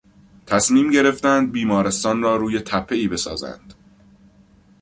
تصمیم گرفتند بیمارستان را روی تپهای بسازند.